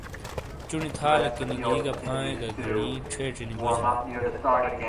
چُونی تھالیکینی گھی گہ فائیے گہ گینی چھیچے نی بوجینا۔